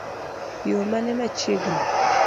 Yoo mane machiegni?